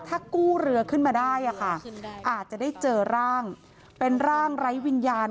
ถ้ากู้เรือขึ้นมาได้อาจจะได้เจอร่างเป็นร่างไร้วิญญาณ